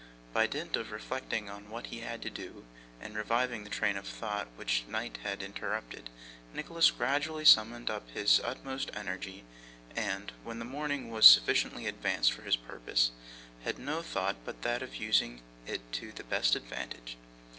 By dint of reflecting on what he had to do, and reviving the train of thought which night had interrupted, Nicholas gradually summoned up his utmost energy, and when the morning was sufficiently advanced for his purpose, had no thought but that of using it to the best advantage.